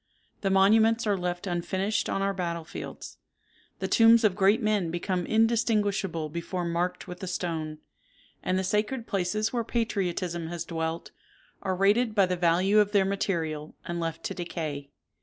The monuments are left unfinished on our battle fields; the tombs of great men become indistinguishable before marked with a stone; and the sacred places where patriotism has dwelt, are rated by the value of their material, and left to decay.